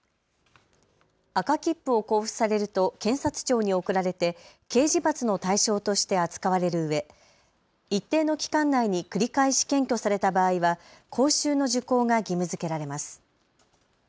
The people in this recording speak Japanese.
赤切符を交付されると検察庁に送られて刑事罰の対象として扱われるうえ一定の期間内に繰り返し検挙された場合は講習の受講が義務づけられます。